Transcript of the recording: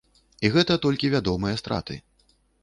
І гэта толькі вядомыя страты.